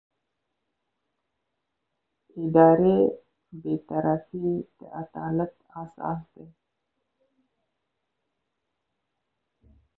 اداري بېطرفي د عدالت اساس دی.